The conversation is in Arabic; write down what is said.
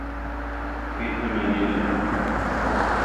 في أمان الله